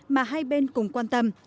mà hai bên cùng quan tâm